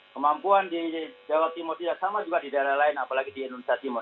kemampuan di jawa timur tidak sama juga di daerah lain apalagi di indonesia timur